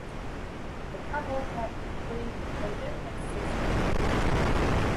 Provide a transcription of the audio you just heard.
The couple had three children and six grandchildren.